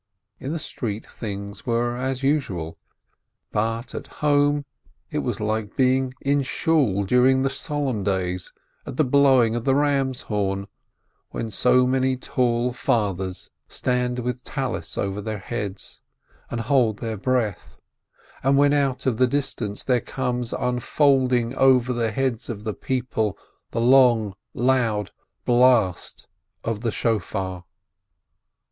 In the street things were as usual, but at home it was like being in Shool during the Solemn Days at the blowing of the ram's horn, when so many tall "fathers" stand with prayer scarfs over their heads, and hold their breath, and when out of the distance there comes, un folding over the heads of the people, the long, loud blast of the Shofar.